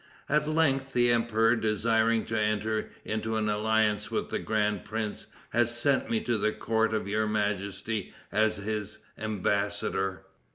At length, the emperor, desiring to enter into an alliance with the grand prince, has sent me to the court of your majesty as his embassador."